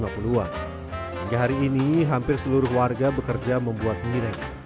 hingga hari ini hampir seluruh warga bekerja membuat mirek